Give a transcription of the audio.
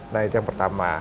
nah itu yang pertama